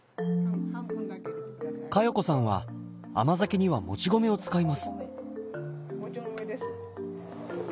加代子さんは甘酒にはもち米を使います。